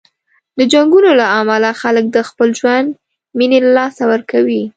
د جنګونو له امله خلک د خپل ژوند مینې له لاسه ورکوي.